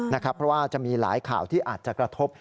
เพราะว่าจะมีหลายข่าวที่อาจจะกระทบ